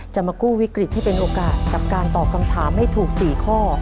จะมากู้วิกฤตให้เป็นโอกาสกับการตอบคำถามให้ถูก๔ข้อ